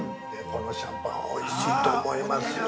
◆このシャンパンおいしいと思いますよ。